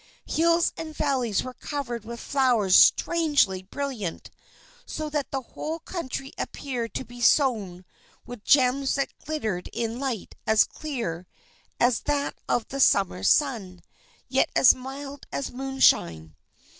Hills and valleys were covered with flowers strangely brilliant, so that the whole country appeared to be sown with gems that glittered in a light as clear as that of the Summer sun, yet as mild as moonshine.